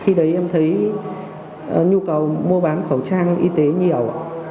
khi đấy em thấy nhu cầu mua bán khẩu trang y tế nhiều